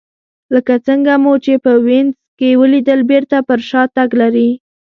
لکه څنګه مو چې په وینز کې ولیدل بېرته پر شا تګ لري